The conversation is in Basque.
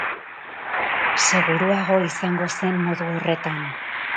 Seguruago izango zen modu horretan.